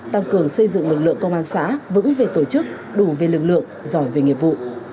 tăng cường xây dựng lực lượng công an xã vững về tổ chức đủ về lực lượng giỏi về nghiệp vụ